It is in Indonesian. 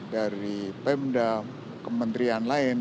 dari pemda kementerian lain